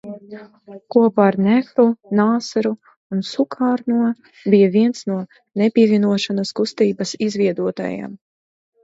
Kopā ar Nehru, Nāseru un Sukarno bija viens no Nepievienošanās kustības izveidotājiem.